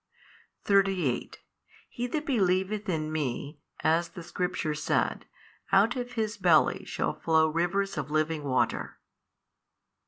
38 He that believeth in Me, as the Scripture said, out of his belly shall flow rivers of living water.